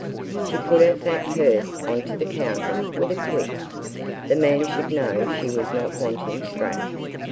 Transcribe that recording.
She put her fat purse on to the counter with a click. The man should know she was not wanting "strap".